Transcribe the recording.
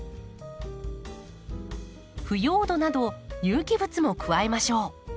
腐葉土など有機物も加えましょう。